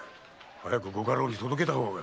早くご家老に届けた方が。